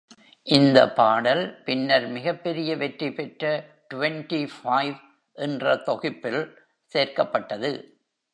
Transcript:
இந்த பாடல் பின்னர் மிகப் பெரிய வெற்றி பெற்ற "டுவென்ட்டி பைவ்" என்ற தொகுப்பில் சேர்க்கப்பட்டது.